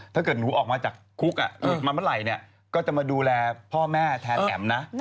ถ้าเกิดหนูออกมาจากคุกมาเมื่อไหร่ก็จะมาดูแลพ่อแม่แทนแอ๋มนะ